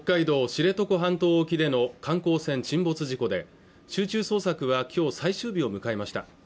知床半島沖での観光船沈没事故で集中捜索はきょう最終日を迎えました